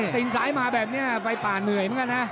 ตินสายมาแบบนี้ฟัยป่าเหนื่อยมากันนะ